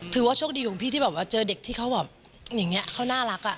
ถือว่าโชคดีของพี่ที่เจอเด็กที่เขาน่ารัก